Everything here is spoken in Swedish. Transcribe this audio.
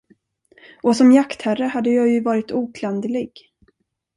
Och som jaktherre hade jag ju varit oklanderlig.